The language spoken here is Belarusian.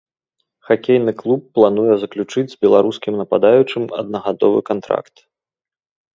Хакейны клуб плануе заключыць з беларускім нападаючым аднагадовы кантракт.